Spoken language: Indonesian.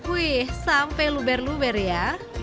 wih sampai luber luber ya